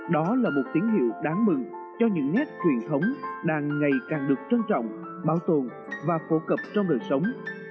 đó là một tín hiệu đáng mừng cho những nét truyền thống đang ngày càng được trân trọng bảo tồn và phổ cập trong đời sống